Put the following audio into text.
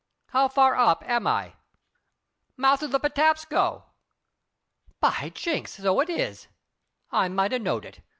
How far up am I?" "Mouth of the Patapsco." "By jinks, so it is. I might a knowed it.